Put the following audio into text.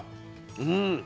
うん。